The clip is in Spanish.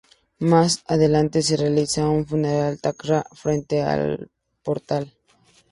Más adelante, se realiza un funeral Tok'ra frente al Portal.